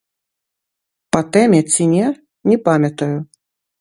Па тэме ці не, не памятаю.